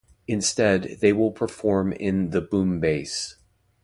Instead they will perform in the Boom Base.